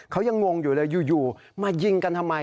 เขายังงงอยู่เลยอยู่มายิงกันทำไม